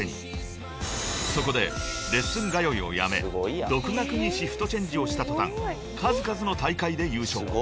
［そこでレッスン通いをやめ独学にシフトチェンジをした途端数々の大会で優勝］